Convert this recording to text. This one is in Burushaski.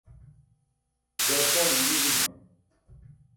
jaar pʰonan dii bima?